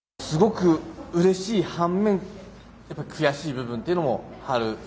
すごくうれしい反面悔しい部分というのもある。